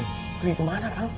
pergi kemana kang